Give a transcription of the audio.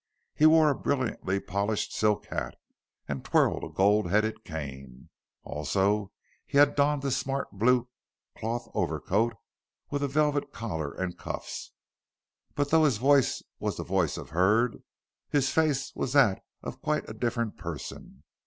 He wore a brilliantly polished silk hat, and twirled a gold headed cane. Also he had donned a smart blue cloth overcoat with a velvet collar and cuffs. But though his voice was the voice of Hurd, his face was that of quite a different person.